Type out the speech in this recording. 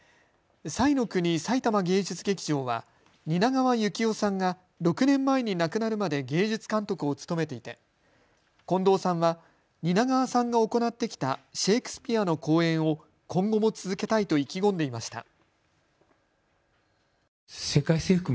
彩の国さいたま芸術劇場は蜷川幸雄さんが６年前に亡くなるまで芸術監督を務めていて近藤さんは蜷川さんが行ってきたシェークスピアの公演を今後も続けたいと意気込んでいました。